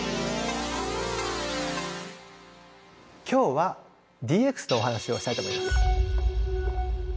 今日はＤＸのお話をしたいと思います。